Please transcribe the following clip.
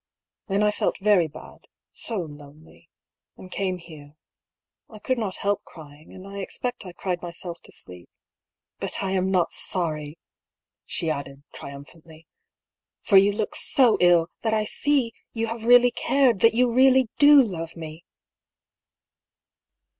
" Then I felt very bad — so lonely — and came here. I could not help crying, and I expect I cried myself to sleep. But I am not sorry I " she added, triumphantly, " for you look so ill, that I see you have really cared ; that you really do love me